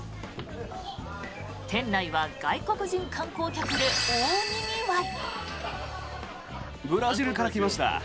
店内は外国人観光客で大にぎわい。